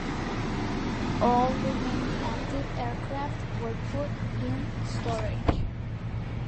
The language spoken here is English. All remaining active aircraft were put in storage.